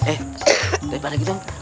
eh daripada gitu pak